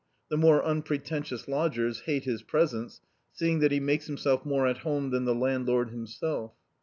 The more unpretentious lodgers hate his presence, seeing that he makes him self more at home than the landlord himself.